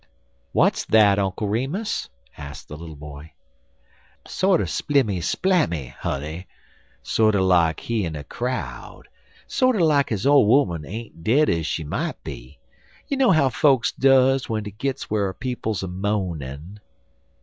"What is that, Uncle Remus?" asked the little boy. "Sorter splimmy splammy, honey sorter like he in a crowd sorter like his ole 'oman ain't dead ez she mout be. You know how fokes duz w'en dey gits whar people's a moanin'."